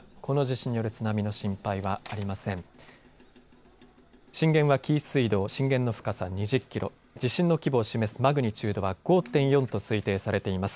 震源は紀伊水道、震源の深さ２０キロ、地震の規模を示すマグニチュードは５．４と推定されています。